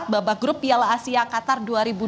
babak grup piala asia qatar dua ribu dua puluh